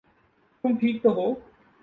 تم ٹھیک تو ہو؟